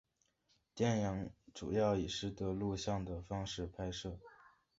电影主要以拾得录像的方式拍摄。